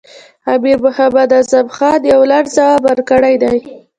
امیر محمد اعظم خان یو لنډ ځواب ورکړی دی.